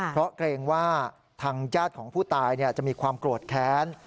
เพราะเกรงว่าทางญาติของผู้ตายจะมีความโกรธแค้น